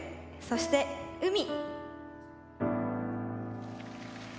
そして「海」。